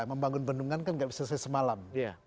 karena penyandungan kan tidak bisa selesai semalam